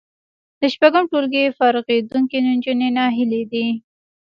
له شپږم ټولګي فارغېدونکې نجونې ناهیلې دي